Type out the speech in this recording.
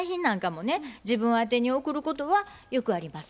自分宛てに送ることはよくあります。